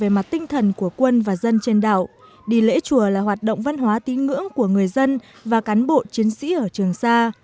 về mặt tinh thần của quân và dân trên đảo đi lễ chùa là hoạt động văn hóa tín ngưỡng của người dân và cán bộ chiến sĩ ở trường sa